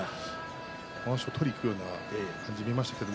まわしを取りにいくような感じに見えましたけど